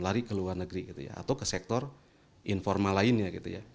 lari ke luar negeri atau ke sektor informal lainnya